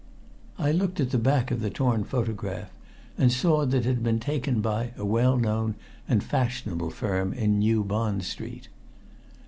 I looked at the back of the torn photograph, and saw that it had been taken by a well known and fashionable firm in New Bond Street.